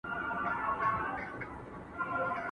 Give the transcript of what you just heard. ¬ بد بختي يوازي نه راځي.